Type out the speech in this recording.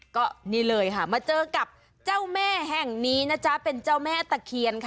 ก็นี่เลยค่ะมาเจอกับเจ้าแม่แห่งนี้นะจ๊ะเป็นเจ้าแม่ตะเคียนค่ะ